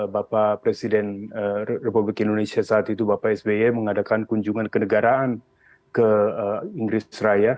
bapak presiden republik indonesia saat itu bapak sby mengadakan kunjungan kendegaraan ke inggris seraya